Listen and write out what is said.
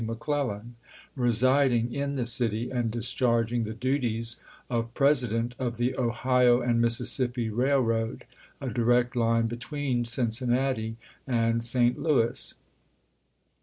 McClellan, residing in the city and discharging the duties of president of the Ohio and Mississippi Railroad, a direct line between Cincinnati and St. Louis.